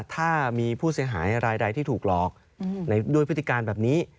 ถ้ามีผู้เสียหายรายใดที่ถูกหลอกด้วยพฤติการแบบนี้